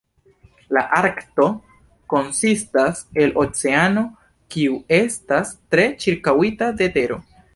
La Arkto konsistas el oceano kiu estas tre ĉirkaŭita de tero.